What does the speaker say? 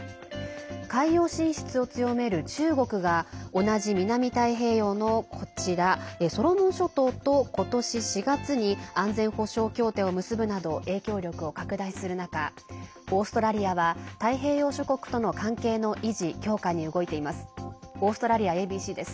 海洋進出を強める中国が同じ南太平洋の、こちらソロモン諸島と今年４月に安全保障協定を結ぶなど影響力を拡大する中オーストラリアは太平洋諸国との関係の維持、強化に動いています。